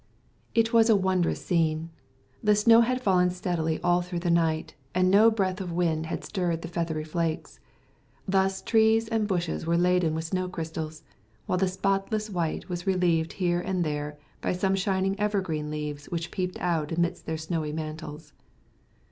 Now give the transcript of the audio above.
It was a wondrous scene. The snow had fallen steadily all through the night, and no breath of wind had stirred the feathery flakes. Thus trees and bushes were laden with snow crystals, while the spotless white was relieved here and there by some shining evergreen leaves which peeped out amidst their snowy mantles.